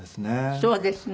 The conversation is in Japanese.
そうですね。